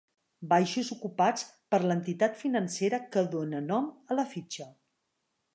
Baixos ocupats per l'entitat financera que dóna nom a la fitxa.